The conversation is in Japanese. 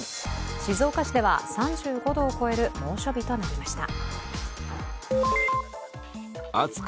静岡市では３５度を超える猛暑日となりました。